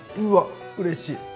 うわうれしい！